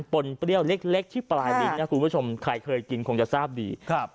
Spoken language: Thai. ปนเปรี้ยวเล็กที่ปลายลิ้นนะคุณผู้ชมใครเคยกินคงจะทราบดีครับ